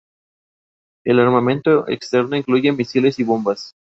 El armamento externo incluye misiles y bombas.